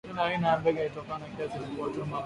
kila aina ya mbegu inatoa kiasi tofauti ya mavuno